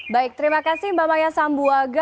baik terima kasih mbak maya sambuaga